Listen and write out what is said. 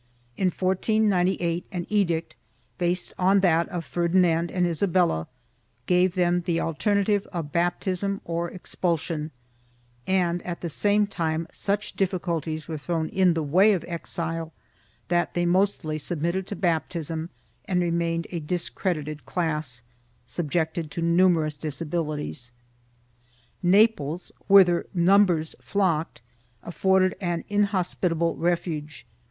In 1498, an edict, based on that of Ferdinand and Isabella, gave them the alternative of baptism or expulsion and, at the same time, such difficulties were thrown in the way of exile that they mostly submitted to baptism and remained a discredited class, subjected to numerous disabilities.1 Naples, whither numbers flocked, afforded an inhospitable ref uge.